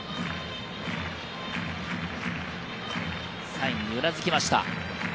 サインにうなずきました。